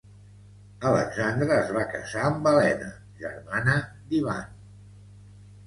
Alexandre es va casar amb Elena, germana d'Ivan.